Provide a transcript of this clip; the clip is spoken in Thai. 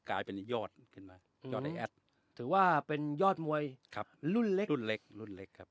กลายเป็นยอดขึ้นมายอดไอแอดถือว่าเป็นยอดมวยครับรุ่นเล็กรุ่นเล็กรุ่นเล็กครับ